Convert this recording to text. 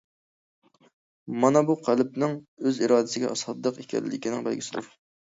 مانا بۇ، قەلبنىڭ ئۆز ئىرادىسىگە سادىق ئىكەنلىكىنىڭ بەلگىسىدۇر.